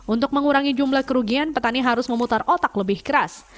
untuk mengurangi jumlah kerugian petani harus memutar otak lebih keras